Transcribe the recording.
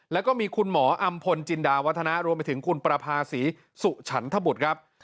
แล้วก็มีคุณหมออำพลจินดาวัฒนะรวมไปถึงคุณประภาษีสุฉันทบุตรครับ